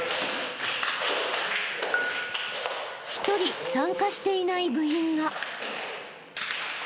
［１人参加していない部員が］